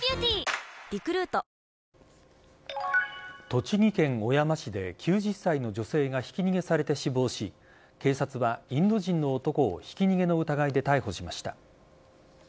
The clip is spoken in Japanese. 栃木県小山市で９０歳の女性がひき逃げされて死亡し警察はインド人の男をひき逃げの疑いで逮捕しました。